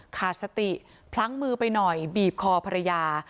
ขาดสติพลั้งมือไปหน่อยบีบคอภรรยา